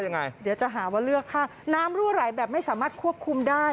น้ำรู้ไหล่แบบไม่สามารถควบคุมได้